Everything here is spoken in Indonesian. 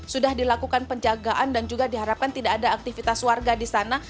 sudah dilakukan penjagaan dan juga diharapkan tidak ada aktivitas warga di sana